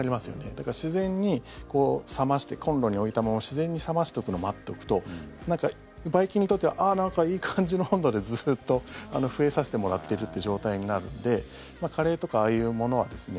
だから自然に冷ましてコンロに置いたまま自然に冷ましとくの待っておくとばい菌にとってはなんかいい感じの温度でずっと増えさせてもらってるって状態になるのでカレーとかああいうものはですね